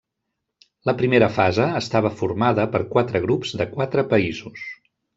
La primera fase estava formada per quatre grups de quatre països.